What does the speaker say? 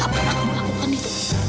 gak pernah aku melakukan itu